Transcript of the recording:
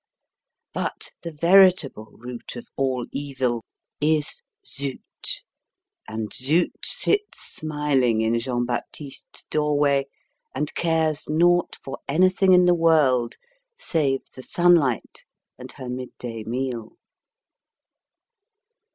But the veritable root of all evil is Zut, and Zut sits smiling in Jean Baptiste's doorway, and cares naught for anything in the world, save the sunlight and her midday meal.